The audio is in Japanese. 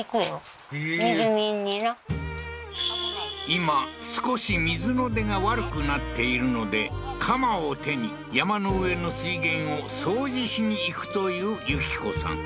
今少し水の出が悪くなっているので鎌を手に山の上の水源を掃除しにいくという順子さん